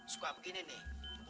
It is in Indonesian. suka begini nih